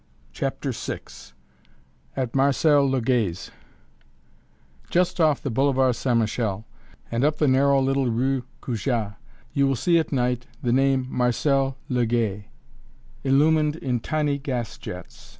CHAPTER VI "AT MARCEL LEGAY'S" Just off the Boulevard St. Michel and up the narrow little rue Cujas, you will see at night the name "Marcel Legay" illumined in tiny gas jets.